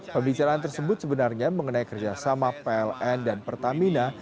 pembicaraan tersebut sebenarnya mengenai kerjasama pln dan pertamina